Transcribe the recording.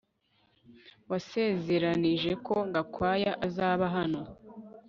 Wasezeranije ko Gakwaya azaba hano